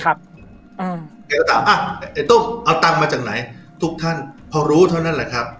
ครับอืมเอาตังมาจากไหนทุกท่านพอรู้เท่านั้นแหละครับ